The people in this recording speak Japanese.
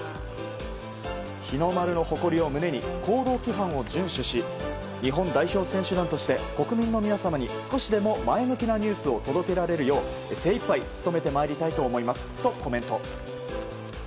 日の丸の誇りを胸に行動規範を遵守し日本代表選手団として国民の皆様に少しでも前向きなニュースを届けられるよう精いっぱい努めてまいりたいと思いますとコメント。